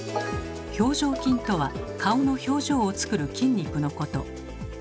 表情筋とは顔の表情をつくる筋肉のこと。